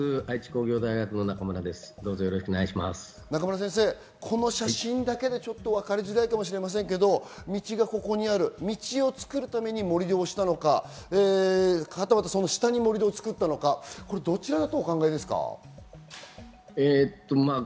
中村先生、この写真だけでは分かりづらいかもしれませんが道を作るために盛り土したのかはたまた下に盛り土を作ったのかどちらだとお考えですか？